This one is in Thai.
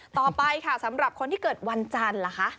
ต่อไปค่ะสำหรับคนที่เกิดวันจันทร์ล่ะคะ